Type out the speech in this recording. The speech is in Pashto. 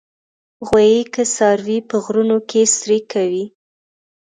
غویی کې څاروي په غرونو کې څرې کوي.